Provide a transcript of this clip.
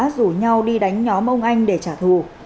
rủ nhau đi đánh nhóm ông anh để trả thù